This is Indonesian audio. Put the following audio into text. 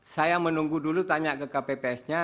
saya menunggu dulu tanya ke kpps nya